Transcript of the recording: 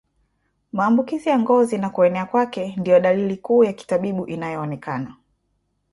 Maambukizi ya ngozi na kuenea kwake ndio dalili kuu ya kitabibu inayoonekana